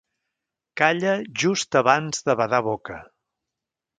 Calla just abans de badar boca.